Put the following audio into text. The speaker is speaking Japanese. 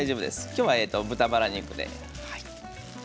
今日は豚バラ肉で。